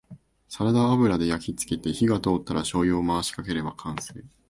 サラダ油で焼きつけて火が通ったらしょうゆを回しかければ完成